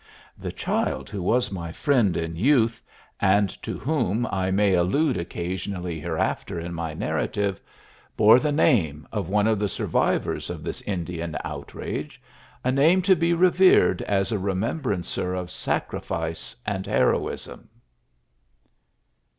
The child who was my friend in youth, and to whom I may allude occasionally hereafter in my narrative, bore the name of one of the survivors of this Indian outrage, a name to be revered as a remembrancer of sacrifice and heroism.